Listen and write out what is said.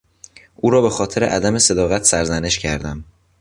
او را به خاطر عدم صداقت سرزنش کردم.